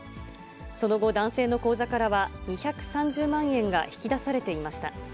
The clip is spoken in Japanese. その後、男性の口座からは２３０万円が引き出されていました。